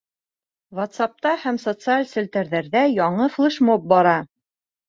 Вацапта һәм социаль селтәрҙәрҙә яңы флешмоб бара.